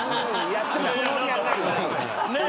やってるつもりはないんだよ。